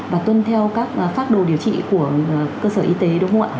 và tuân theo các phác đồ điều trị của cơ sở y tế đúng không ạ